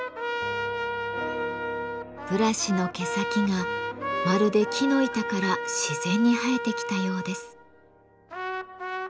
ブラシの毛先がまるで木の板から自然に生えてきたようです。